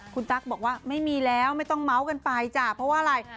คุณตั๊กบอกว่าไม่มีแล้วไม่ต้องเมาส์กันไปจ้ะเพราะว่าอะไร